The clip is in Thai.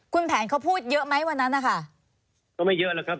คุณแผนเขาพูดเยอะไหมวันนั้นนะคะก็ไม่เยอะหรอกครับ